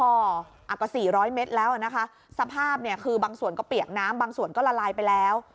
ก็๔๐๐เมตรแล้วนะคะสภาพเนี่ยคือบางส่วนก็เปียกน้ำบางส่วนก็ละลายไปแล้ว